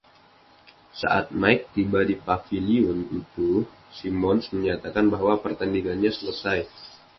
Saat Mike tiba di paviliun itu, Simmons menyatakan bahwa pertandingannya selesai.